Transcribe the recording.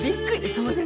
そうですね。